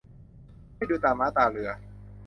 ไม่ดูตาม้าตาเรือ